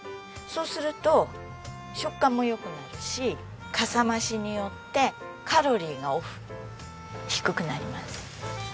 そうすると食感も良くなるしかさ増しによってカロリーがオフ低くなります。